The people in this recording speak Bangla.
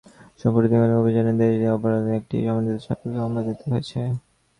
সম্প্রতি গণসাক্ষরতা অভিযানের সঙ্গে দেশ অপেরার একটি সমঝোতা স্মারক সম্পাদিত হয়েছে।